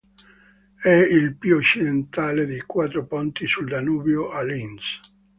È il più occidentale dei quattro ponti sul Danubio a Linz.